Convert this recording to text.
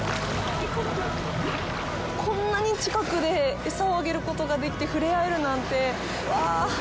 こんなに近くで餌をあげることができて触れ合えるなんて、わあ。